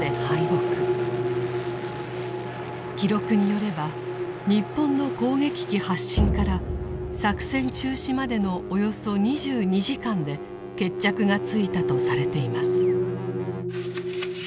記録によれば日本の攻撃機発進から作戦中止までのおよそ２２時間で決着がついたとされています。